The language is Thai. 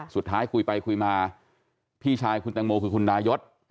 สุดท้ายคุยไปคุยมาพี่ชายคุณแตงโมคือคุณนายศ